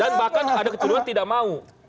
dan bahkan ada keturunan tidak mau